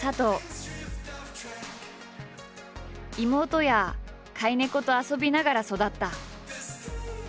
妹や飼い猫と遊びながら育った。